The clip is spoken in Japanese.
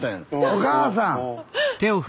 お母さん！